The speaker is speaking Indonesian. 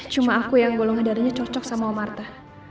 cuma aku yang golongan darahnya cocok sama om arta